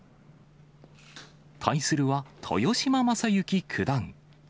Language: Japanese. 対するは、豊島将之九段。